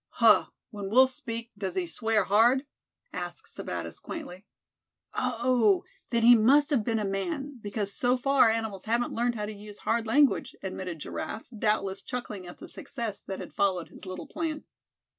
"Huh! when wolf speak does he swear hard?" asked Sebattis, quaintly. "Oh! then he must have been a man, because so far animals haven't learned how to use hard language," admitted Giraffe, doubtless chuckling at the success that had followed his little plan.